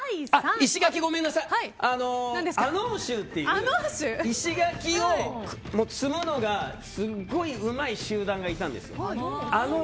石垣は穴太衆という石垣を積むのがすごいうまい集団がいたんですよ。